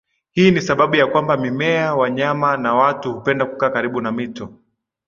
Hii ni sababu ya kwamba mimea wanyama na watu hupenda kukaa karibu na mito